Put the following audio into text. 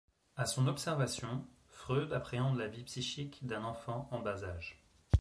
À son observation, Freud appréhende la vie psychique d’un enfant en bas âge.